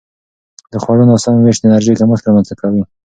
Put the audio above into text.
د خوړو ناسم وېش د انرژي کمښت رامنځته کوي.